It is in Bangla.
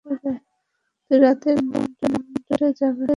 তুই রাতের রাউন্ডে যাবে।